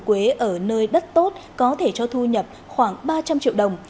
quế ở nơi đất tốt có thể cho thu nhập khoảng ba trăm linh triệu đồng